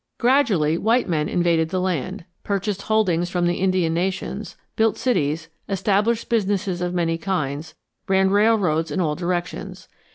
Gradually white men invaded the land, purchased holdings from the Indian nations, built cities, established businesses of many kinds, ran railroads in all directions.